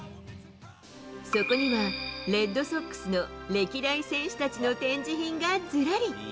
そこには、レッドソックスの歴代選手たちの展示品がずらり。